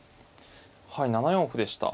はい７四歩でした。